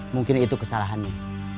mungkin itu kesalahannya